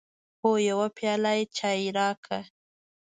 هو، یو پیاله چای راکړئ